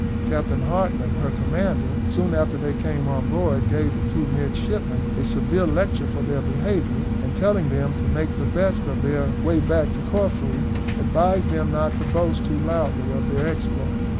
Captain Hartland, her commander, soon after they came on board, gave the two midshipmen a severe lecture for their behaviour, and telling them to make the best of their way back to Corfu, advised them not to boast too loudly of their exploit.